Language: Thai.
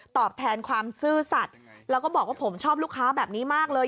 แทนความซื่อสัตว์แล้วก็บอกว่าผมชอบลูกค้าแบบนี้มากเลย